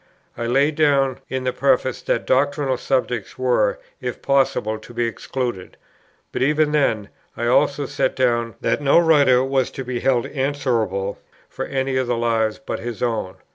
I laid down in the Preface that doctrinal subjects were, if possible, to be excluded. But, even then, I also set down that no writer was to be held answerable for any of the Lives but his own.